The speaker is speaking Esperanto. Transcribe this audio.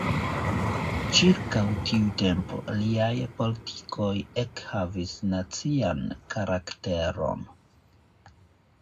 Ĉirkaŭ tiu tempo liaj politikoj ekhavis nacian karakteron.